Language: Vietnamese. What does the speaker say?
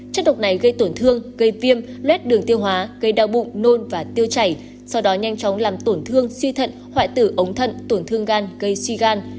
chất độc này gây tổn thương gây viêm luet đường tiêu hóa gây đau bụng nôn và tiêu chảy sau đó nhanh chóng làm tổn thương suy thận hoại tử ống thận tổn thương gan gây suy gan